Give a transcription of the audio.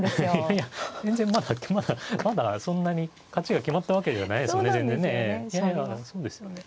いやいや全然まだまだそんなに勝ちが決まったわけではないですよね全然ね。